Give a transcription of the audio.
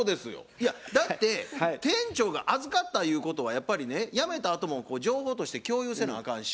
いやだって店長が預かったゆうことはやっぱりね辞めたあとも情報として共有せなあかんし